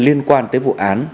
liên quan tới vụ án